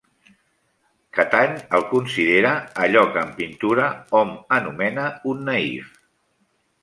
Catany el considera allò que en pintura hom anomena un naïf.